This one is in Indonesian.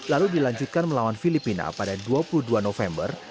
lalu dilanjutkan melawan filipina pada dua puluh dua november